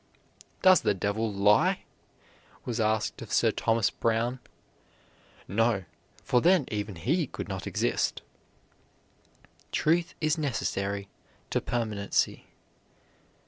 "Does the devil lie?" was asked of Sir Thomas Browne. "No, for then even he could not exist." Truth is necessary to permanency.